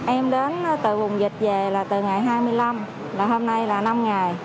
em đến từ vùng dịch về là từ ngày hai mươi năm là hôm nay là năm ngày